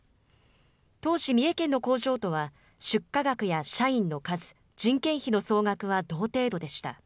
当時、三重県の工場とは出荷額や社員の数、人件費の総額は同程度でした。